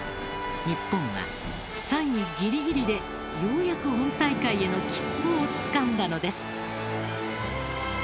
日本は３位ギリギリでようやく本大会への切符をつかんだのです。